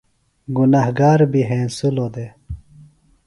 کھنگار بیۡ ہینسِلوۡ دےۡ